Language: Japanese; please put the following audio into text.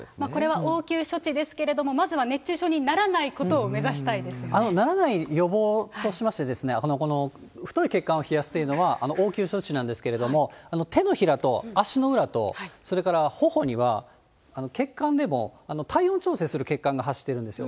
これは応急処置ですけれども、まずは熱中症にならないことを目ならない予防としまして、太い血管を冷やすというのは応急処置なんですけれども、手のひらと足の裏と、それからほほには血管でも、体温調整する血管が走っているんですよ。